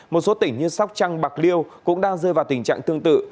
một số tỉnh như sóc trăng bạc liêu cũng đang rơi vào tình trạng tương tự